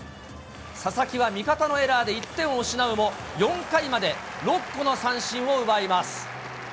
佐々木は味方のエラーで１点を失うも、４回まで６個の三振を奪います。